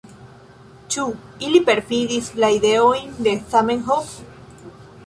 Ĉu ili perfidis la ideojn de Zamenhof?